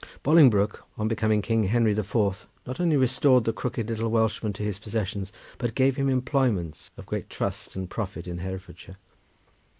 Bolingbroke, on becoming King Henry the Fourth, not only restored the crooked little Welshman to his possessions, but gave him employments of great trust and profit in Herefordshire.